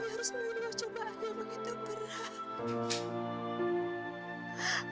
harus mengeluh cobaan yang begitu berat